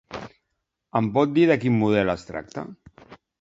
Em pot dir de quin model es tracta?